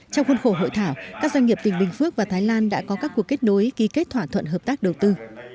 trong khuôn khổ hội thảo các doanh nghiệp tỉnh bình phước và thái lan đã có các cuộc kết nối ký kết thỏa thuận hợp tác đầu tư